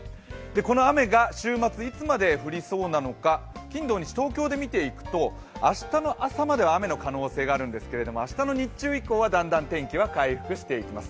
この雨が週末、いつまで降りそうなのか、金土日、東京で見ていくと明日の朝までは雨の可能性があるんですけど明日の日中以降はだんだん天気が回復していきます。